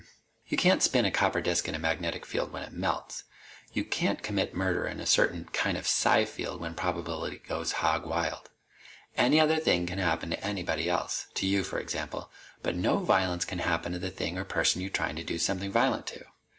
... You can't spin a copper disk in a magnetic field when it melts. You can't commit a murder in a certain kind of psi field when probability goes hog wild. Any other thing can happen to anybody else to you, for example but no violence can happen to the thing or person you're trying to do something violent to.